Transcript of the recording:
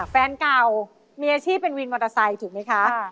แฟนเก่ามีอาชีพเป็นวินมอเตอร์ไซค์ถูกไหมคะ